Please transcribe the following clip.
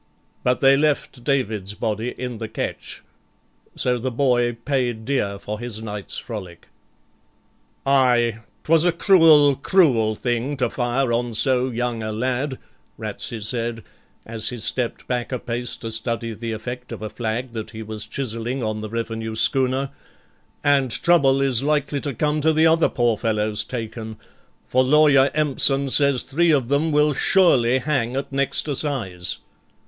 But they left David's body in the ketch, so the boy paid dear for his night's frolic. 'Ay, 'twas a cruel, cruel thing to fire on so young a lad,' Ratsey said, as he stepped back a pace to study the effect of a flag that he was chiselling on the Revenue schooner, 'and trouble is likely to come to the other poor fellows taken, for Lawyer Empson says three of them will surely hang at next Assize.